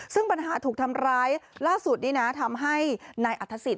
ซึ่งปัญหาถูกทำร้ายล่าสุดนี่นะทำให้นายอัฐศิษ